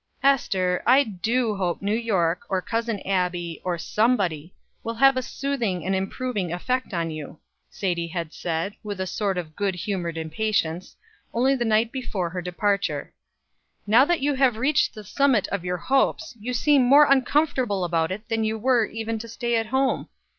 "Ester, I do hope New York, or Cousin Abbie, or somebody, will have a soothing and improving effect upon you," Sadie had said, with a sort of good humored impatience, only the night before her departure. "Now that you have reached the summit of your hopes, you seem more uncomfortable about it than you were even to stay at home.